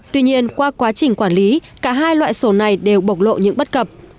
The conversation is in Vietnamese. tuy nhiên qua quá trình quản lý cả hai loại sổ này đều bộc lộ những bất cập